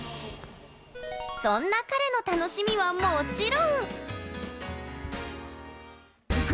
そんな彼の楽しみは、もちろん。